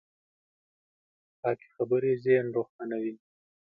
پاکې خبرې ذهن روښانوي.